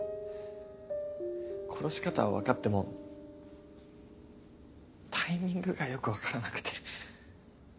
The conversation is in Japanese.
殺し方は分かってもタイミングがよく分からなくて。